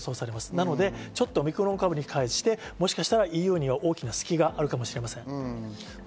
なのでオミクロン株に関してもしかしたらＥＵには大きな隙があるかもしれません。